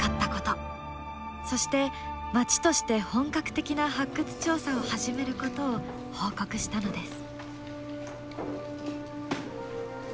そして町として本格的な発掘調査を始めることを報告したのです。